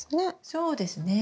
そうですね。